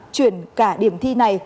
chuyển cả điểm thi này